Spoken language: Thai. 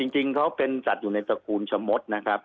จริงเขาเป็นสัตว์อยู่ในตระกูลชะมดนะครับ